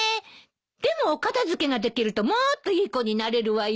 でもお片付けができるともっといい子になれるわよ。